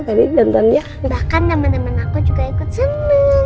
bahkan temen temen aku juga ikut seneng